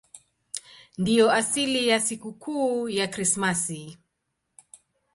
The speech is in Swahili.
Ndiyo asili ya sikukuu ya Krismasi.